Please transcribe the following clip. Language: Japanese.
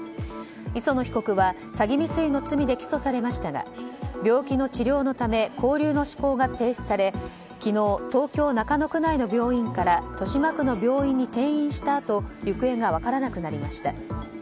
磯野被告は詐欺未遂の罪で起訴されましたが病気の治療のため勾留の執行が停止され昨日、東京・中野区内の病院から豊島区の病院に転院したあと行方が分からなくなりました。